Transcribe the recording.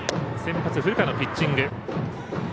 先発、古川のピッチング。